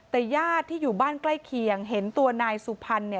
แต่ญาติที่อยู่บ้านใกล้เคียงเห็นตัวนายสุพรรณเนี่ย